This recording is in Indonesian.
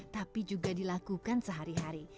tapi juga dilakukan sehari hari